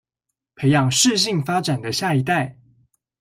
培養適性發展的下一代